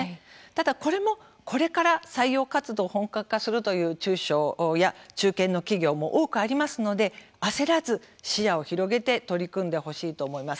ただこれも、これから採用活動を本格化するという中小や中堅の企業も多くありますので焦らず、視野を広げて取り組んでほしいと思います。